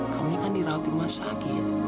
kamu kan di rumah sakit